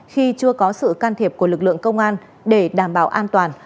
khi chưa có sự can thiệp của lực lượng công an để đảm bảo an toàn